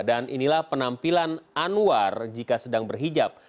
dan inilah penampilan anwar jika sedang berhijab